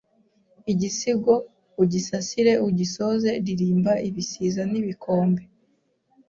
Igisigo ugisasire ugisoze Ririmba ibisiza n'ibikombe